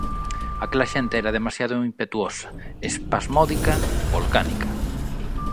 Aquela xente era demasiado impetuosa, espasmódica, volcánica.